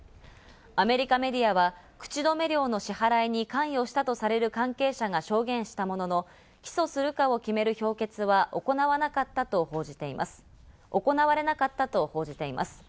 アメリカメディアは口止め料の支払いに関与したとされる関係者が証言したものの、起訴するかを決める評決は行われなかったと報じています。